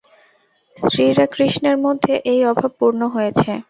শ্রীরাকৃষ্ণের মধ্যে এই অভাব পূর্ণ হয়েছে।